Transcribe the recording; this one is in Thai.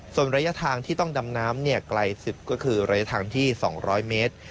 ส่วนระยะทางที่ต้องดำน้ำไกลสุดก็คือระยะทางที่๒๐๐เมตร